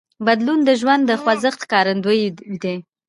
بدلون د ژوند د خوځښت ښکارندوی دی.